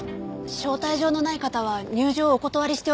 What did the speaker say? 招待状のない方は入場をお断りしております。